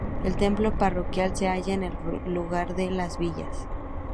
El templo parroquial se halla en el lugar de Las Villas.